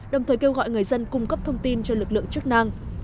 đồng thời kêu gọi người dân cung cấp thông tin cho lực lượng chức năng